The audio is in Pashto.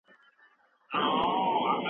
د پښتنو لښکر په اصفهان کې د بریا کیسې جوړې کړې.